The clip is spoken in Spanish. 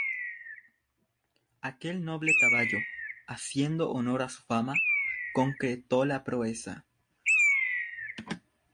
Aquel noble caballo, haciendo honor a su fama, concretó la proeza.